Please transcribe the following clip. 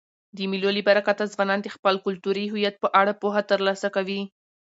د مېلو له برکته ځوانان د خپل کلتوري هویت په اړه پوهه ترلاسه کوي.